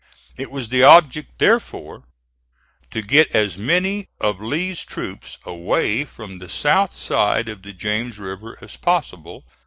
It was the object, therefore, to get as many of Lee's troops away from the south side of the James River as possible.